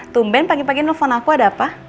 tumben pagi pagi nelfon aku ada apa